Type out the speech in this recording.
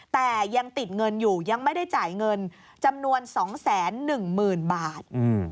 แต่ยังติดเงินอยู่ยังไม่ได้จ่ายเงินจำนวน๒๑๐๐๐บาท